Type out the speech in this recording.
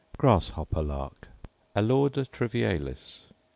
_ Grasshopper lark, _Alauda trivialis.